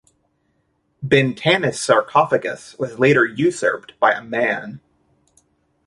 Bintanath's sarcophagus was later usurped by a man.